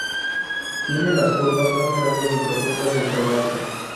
Tiene las cuevas más grandes y profundas de Croacia.